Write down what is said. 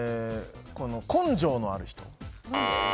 根性のある人。